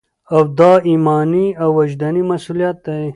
او دا ایماني او وجداني مسؤلیت